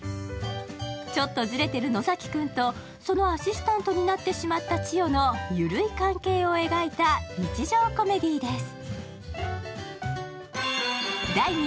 ちょっとズレてる野崎くんはそのアシスタントになってしまった千代のゆるい関係を描いた日常コメディーです。